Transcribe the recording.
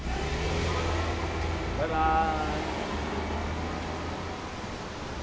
バイバーイ。